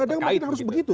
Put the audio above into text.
kadang kadang harus begitu